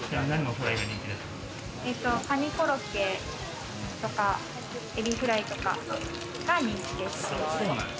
カニコロッケとか、エビフライとかが人気です。